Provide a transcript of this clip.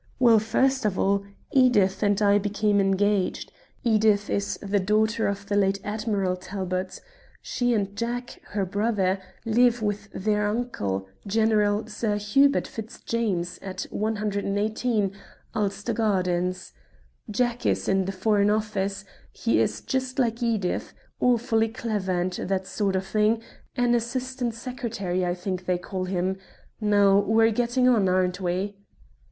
Well, first of all, Edith and I became engaged. Edith is the daughter of the late Admiral Talbot. She and Jack, her brother, live with their uncle, General Sir Hubert Fitzjames, at 118, Ulster Gardens. Jack is in the Foreign Office; he is just like Edith, awfully clever and that sort of thing, an assistant secretary I think they call him. Now we're getting on, aren't we?"